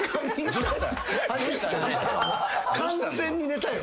完全に寝たよ。